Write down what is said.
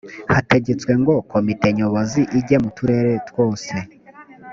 hategetswe ngo komite nyobozi ige mu turere twose